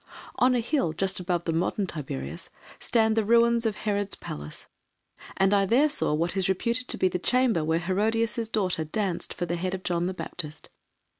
On a hill, just above the modern Tiberias, stand the ruins of Herod's Palace, and I there saw what is reputed to be the chamber where Herodias' daughter danced for the head of John the Baptist.